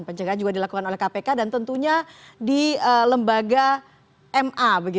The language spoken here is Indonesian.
pencegahan juga dilakukan oleh kpk dan tentunya di lembaga ma